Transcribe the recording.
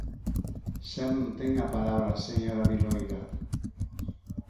Xa non ten a palabra, señora Viloira.